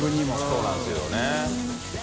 そうなんですよね。